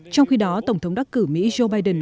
trong khi đó tổng thống đắc cử mỹ joe biden